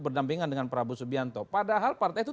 berdampingan dengan prabowo subianto padahal partai itu